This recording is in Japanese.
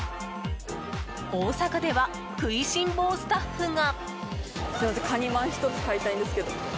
大阪では食いしん坊スタッフが。